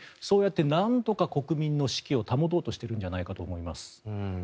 そうやってなんとか国民の士気を保とうとしているんじゃないかと思います。